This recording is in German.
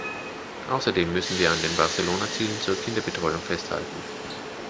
Außerdem müssen wir an den Barcelona-Zielen zur Kinderbetreuung festhalten.